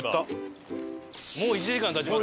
もう１時間経ちます？